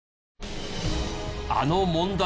あの問題